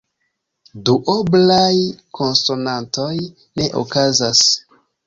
Duoblaj konsonantoj ne okazas.